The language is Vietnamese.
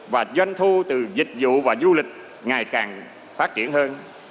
và doanh thu từ dịch vụ và du lịch ngày càng phát triển hơn